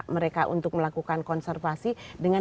mereka untuk melakukan konservasi dengan